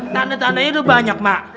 tanda tandanya itu banyak mak